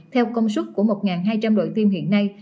theo công suất của một hai trăm linh đội tiêm hiện nay